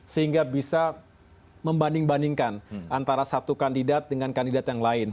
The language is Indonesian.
sehingga bisa membanding bandingkan antara satu kandidat dengan kandidat yang lain